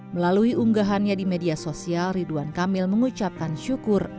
melalui unggahannya di media sosial ridwan kamil mengucapkan syukur